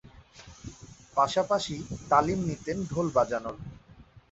পাশাপাশি তালিম নিতেন ঢোল বাজানোর।